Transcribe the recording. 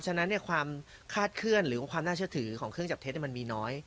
ฉะนั้นความคาดเคลื่อนหรือความน่าเชื่อถือของเครื่องจับเท็จมันมีน้อย